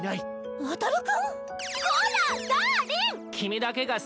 あたる君。